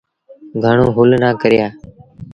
گھڻون هل نا ڪريآ۔